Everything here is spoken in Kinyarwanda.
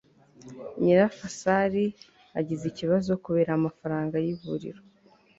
nyirasafari agize ikibazo kubera amafaranga y'ivuriro